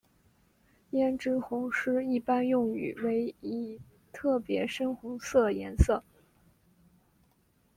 胭脂红是一般用语为一特别深红色颜色。